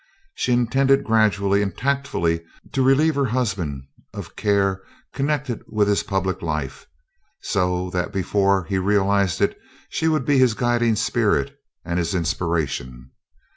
She intended gradually and tactfully to relieve her husband of care connected with his public life so that, before he realized it, she would be his guiding spirit and his inspiration.